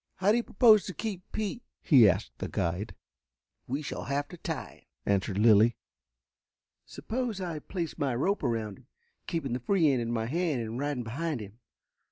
"How do you propose to keep Pete?" he asked the guide. "We shall have to tie him," answered Lilly. "Suppose I place my rope around him, keeping the free end in my hand and riding behind him?